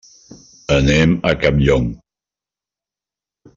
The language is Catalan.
Anem a Campllong.